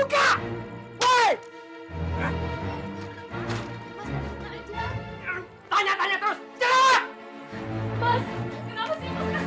kenapa salah aku mas